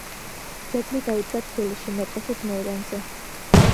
ძეგლი დაიდგა თბილისში, მეტეხის მოედანზე.